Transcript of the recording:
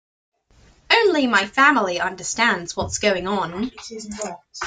Only my family understands what's going on.